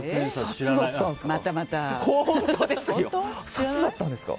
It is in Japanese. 札だったんですか？